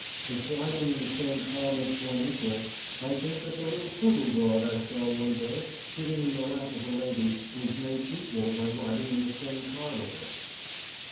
If riding in the same car makes one equal, I think that the little poodle dog I saw one day sitting in the lap of a lady was made equal by riding in the same car with her.